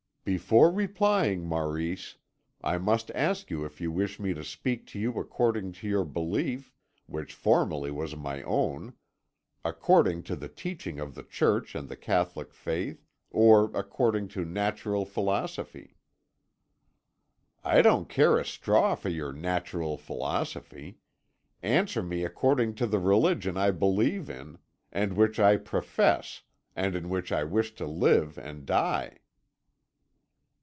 "Before replying, Maurice, I must ask you if you wish me to speak to you according to your belief, which formerly was my own, according to the teaching of the Church and the Catholic faith, or according to natural philosophy." "I don't care a straw for your natural philosophy. Answer me according to the religion I believe in, and which I profess, and in which I wish to live and die."